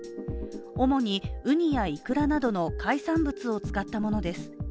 主にウニやイクラなどの海産物を使ったものです。